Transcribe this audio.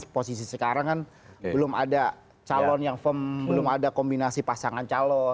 posisi sekarang kan belum ada calon yang firm belum ada kombinasi pasangan calon